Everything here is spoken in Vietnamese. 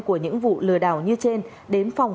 của những vụ lừa đảo như trên đến phòng